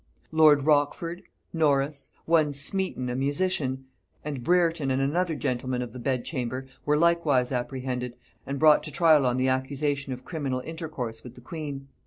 Lord Rochford, Norris, one Smeton a musician, and Brereton and another gentleman of the bed chamber, were likewise apprehended, and brought to trial on the accusation of criminal intercourse with the queen.